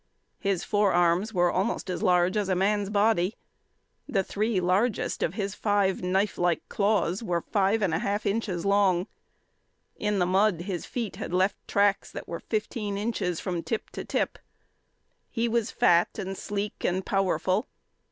His forearms were almost as large as a man's body; the three largest of his five knifelike claws were five and a half inches long; in the mud his feet had left tracks that were fifteen inches from tip to tip. He was fat, and sleek, and powerful.